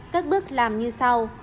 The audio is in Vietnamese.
các bước làm như sau